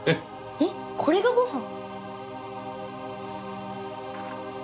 えっこれがごはん？